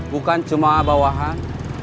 bukan cuma bawahan